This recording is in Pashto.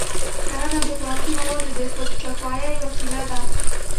کرنه د خوراکي موادو د خودکفایۍ وسیله ده.